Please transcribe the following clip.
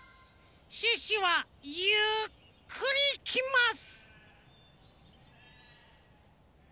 シュッシュはゆっくりいきます！